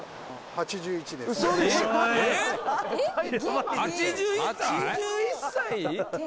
８１歳？